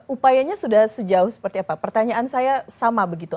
upayanya sudah sejauh seperti apa pertanyaan saya sama begitu